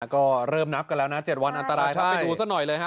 ก็เริ่มนับกันแล้วนะ๗วันอันตรายครับไปดูซะหน่อยเลยฮะ